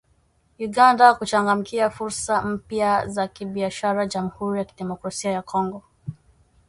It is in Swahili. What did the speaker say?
Uganda kuchangamkia fursa mpya za kibiashara Jamhuri ya kidemokrasia ya Kongo.